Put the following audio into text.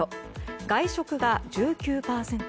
外食が１９％